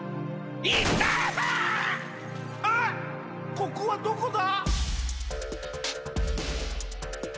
ここはどこだ？